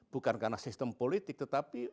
bukan karena sistem politik tetapi